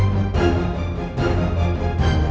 suara anakku mana mana